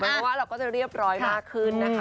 เพราะว่าเราก็จะเรียบร้อยมากขึ้นนะคะ